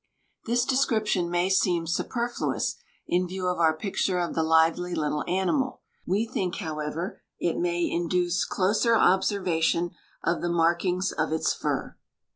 This description may seem superfluous, in view of our picture of the lively little animal; we think, however, it may induce closer observation of the markings of its fur.